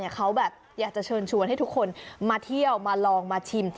เขาแบบอยากจะเชิญชวนให้ทุกคนมาเที่ยวมาลองมาชิม